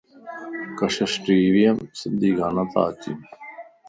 ڪشش ٽي ويم سنڌي گانا تا اچين